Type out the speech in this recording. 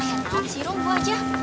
ayah tolong si rumah aja